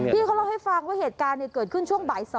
พี่เขาเล่าให้ฟังว่าเหตุการณ์เกิดขึ้นช่วงบ่าย๒